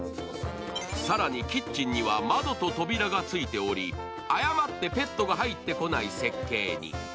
更にキッチンには窓と扉がついており誤ってペットが入ってこない設計に。